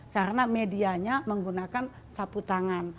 karena medianya menggunakan sapu tangan